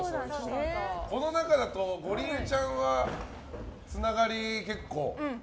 この中だとゴリエちゃんはつながり、結構？